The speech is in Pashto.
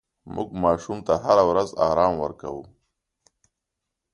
مور ماشوم ته هره ورځ ارام ورکوي.